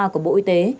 của bộ y tế